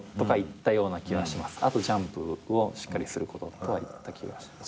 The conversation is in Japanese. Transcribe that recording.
あとジャンプをしっかりすることとは言った気がします。